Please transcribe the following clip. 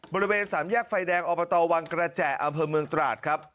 บริเวณสามแยกไฟแดงอบตวังกระแจอำเภอเมืองตราดครับ